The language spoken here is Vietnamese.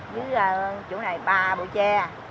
dưới chỗ này ba bụi tre